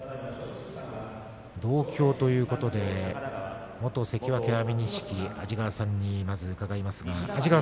同郷ということで元関脇安美錦の安治川さんに伺います。